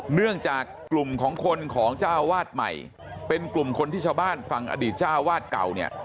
เนื่องจากกลุ่มของคนของเจ้าวาดใหม่เป็นกลุ่มคนที่ชาวบ้านฟังอดีตเจ้าวาดเก่าเนี่ย